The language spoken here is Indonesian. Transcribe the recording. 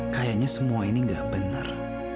kayaknya semua ini nggak benar